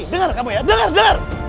dengar kamu ya denger denger